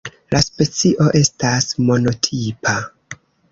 La specio estas monotipa.